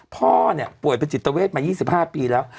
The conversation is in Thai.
พ่อป่วยเป็นจิตเวทมา๒๕ปีแล้ว